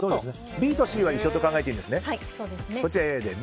ＢとＣは一緒と考えていいんですね。